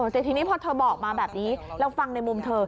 แต่ทีนี้พอเธอบอกมาแบบนี้เราฟังในมุมเธอ